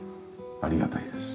ありがたいです。